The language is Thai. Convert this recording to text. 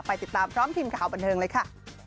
ติดตามพร้อมทีมข่าวบันเทิงเลยค่ะ